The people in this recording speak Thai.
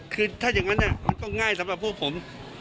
คือถ้าอย่างนั้นมันก็ง่ายสำหรับพวกผม